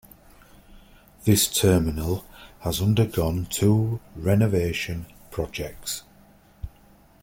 This terminal has undergone two renovation projects.